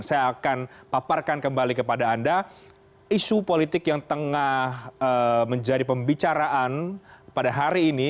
saya akan paparkan kembali kepada anda isu politik yang tengah menjadi pembicaraan pada hari ini